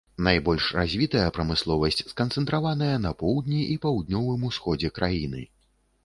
Найбольш развітая прамысловасць сканцэнтраваная на поўдні і паўднёвым усходзе краіны.